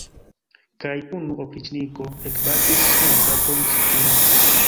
Kaj unu opriĉniko ekbatis ŝian kapon, ŝi tuj mortis!